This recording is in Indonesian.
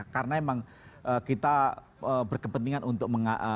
karena memang kita berkepentingan untuk